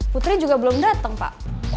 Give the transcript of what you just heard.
putri juga belum datang pak